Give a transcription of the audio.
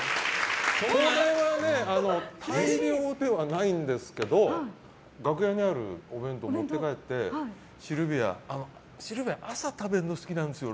これは大量ではないんですけど楽屋にあるお弁当を持って帰ってシルビアは朝食べるの好きなんですよ